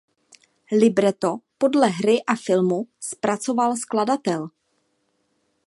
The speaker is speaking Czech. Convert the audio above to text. Libreto podle hry a filmu zpracoval skladatel.